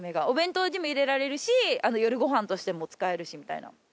お弁当にも入れられるし夜ごはんとしても使えるしみたいな。